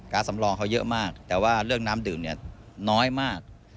การ์ดสำรองเขาเยอะมากแต่ว่าเรื่องน้ำดื่มน้อยมาก